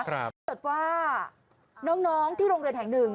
ถ้าเกิดว่าน้องที่โรงเรียนแห่งหนึ่ง